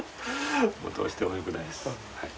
どうしてもよくないですはい。